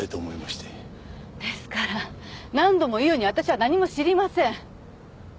ですから何度も言うように私は何も知りません！